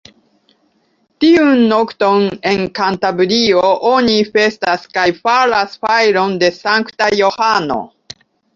Tiun nokton, en Kantabrio oni festas kaj faras fajron de Sankta Johano.